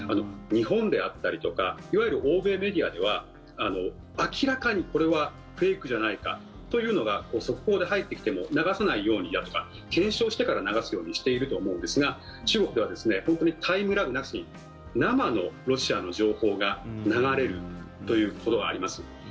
日本であったりとかいわゆる欧米メディアでは明らかにこれはフェイクじゃないかというのが速報で入ってきても流さないようにだとか検証してから流すようにしていると思うんですが中国では本当にタイムラグなしに生のロシアの情報が流れるということがあります。